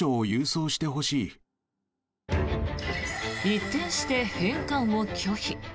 一転して返還を拒否。